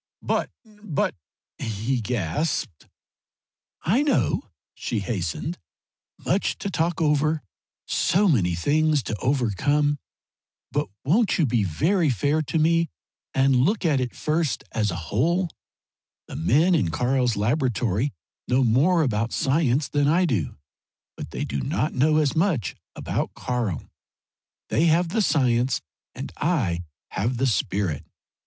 "But but " he gasped. "I know," she hastened "much to talk over; so many things to overcome. But won't you be very fair to me and look at it first as a whole? The men in Karl's laboratory know more about science than I do. But they do not know as much about Karl. They have the science and I have the spirit.